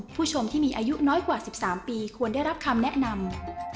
ผู้ชมที่มีอายุน้อยกว่า๑๓ปีควรได้รับคำแนะนำ